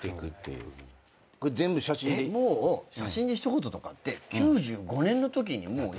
もう写真で一言とかって９５年のときにもうやってた？